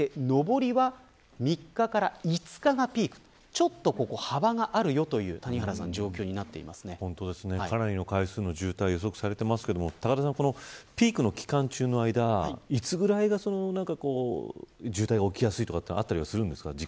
ちょっと幅があるかなりの回数の渋滞予測されていますがピークの期間中の間いつぐらいが渋滞が起きやすいとかってあったりするんですか